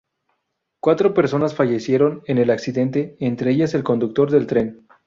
Cuatro personas fallecieron en el accidente, entre ellas el conductor del tren.